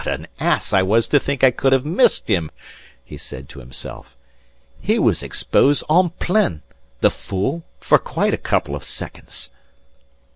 "What an ass I was to think I could have missed him!" he said to himself. "He was exposed en plein the fool for quite a couple of seconds."